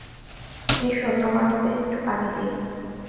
S, তোমার মাথায় একটু পানি দেই?